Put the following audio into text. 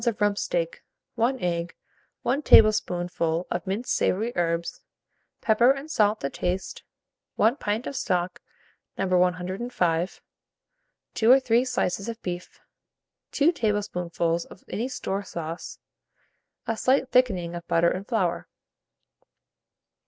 of rump steak, 1 egg, 1 tablespoonful of minced savoury herbs, pepper and salt to taste, 1 pint of stock, No. 105, 2 or 3 slices of bacon, 2 tablespoonfuls of any store sauce, a slight thickening of butter and flour.